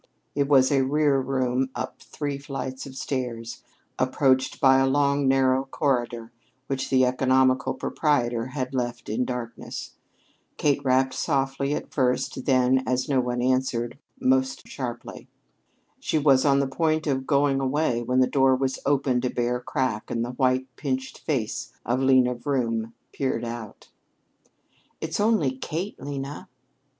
It was a rear room up three flights of stairs, approached by a long, narrow corridor which the economical proprietor had left in darkness. Kate rapped softly at first; then, as no one answered, most sharply. She was on the point of going away when the door was opened a bare crack and the white, pinched face of Lena Vroom peered out. "It's only Kate, Lena!"